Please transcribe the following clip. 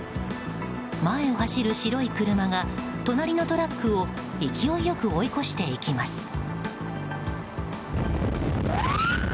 前を走る白い車が隣のトラックを勢いよく追い越していきます。